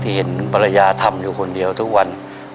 มาเห็นว่าปรยาอยู่คนเดียวทุกวัน